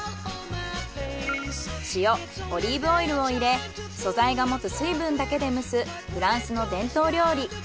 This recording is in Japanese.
塩オリーブオイルを入れ素材が持つ水分だけで蒸すフランスの伝統料理